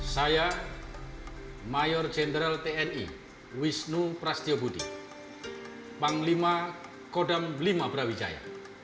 saya mayor jenderal tni wisnu prasetyo budi panglima kodam v brawijaya